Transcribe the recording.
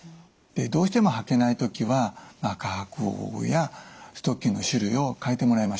どうしても履けない時は履く方法やストッキングの種類を替えてもらいましょう。